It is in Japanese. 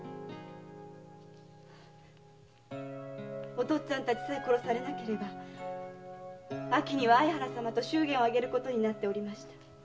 お父っつぁんたちさえ殺されなければ秋には相原様と祝言を挙げることになっておりました。